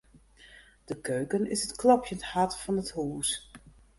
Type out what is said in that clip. De keuken is it klopjend hart fan it hús.